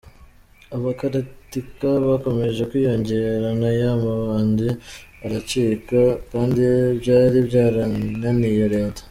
Abakaratika bakomeje kwiyongera na ya mabandi aracika kandi byari byarananiye leta.